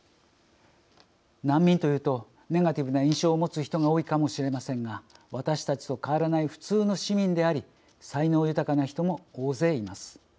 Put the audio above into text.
難民というとネガティブな印象を持つ人が多いかもしれませんが私たちと変わらない普通の市民であり才能豊かな人も大勢います。